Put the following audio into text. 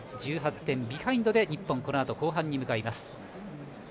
１８点ビハインドで日本、このあと後半に向かいます。